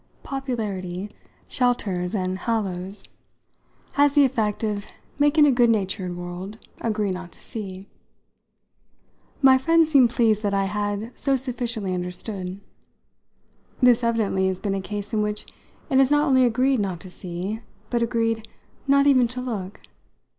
Popularity shelters and hallows has the effect of making a good natured world agree not to see." My friend seemed pleased that I so sufficiently understood. "This evidently has been a case then in which it has not only agreed not to see, but agreed not even to look.